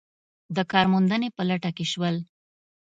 د کار موندنې په لټه کې شول.